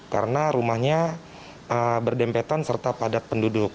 karena rumahnya berdempetan serta padat penduduk